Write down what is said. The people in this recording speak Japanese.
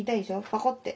パコッて。